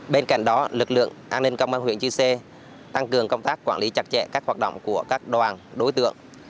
bên cạnh đó lực lượng an ninh công an huyện chư sê tăng cường công tác quản lý chặt chẽ các hoạt động của các đoàn đối tượng